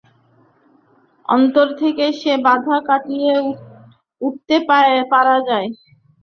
অন্তর থেকে সে বাধা কাটিয়ে উঠতে পারা যায়।